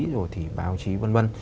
rồi thì báo chí vân vân